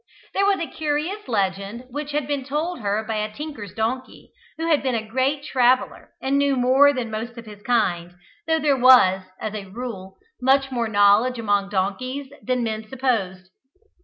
There was a curious legend which had been told her by a tinker's donkey, who had been a great traveller, and knew more than most of his kind, though there was, as a rule, much more knowledge among donkeys than men supposed.